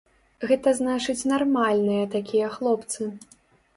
Гэта значыць нармальныя такія хлопцы.